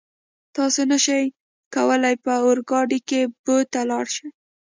تاسو نور نشئ کولای په اورګاډي کې بو ته لاړ شئ.